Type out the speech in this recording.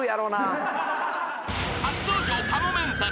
［初登場かもめんたる］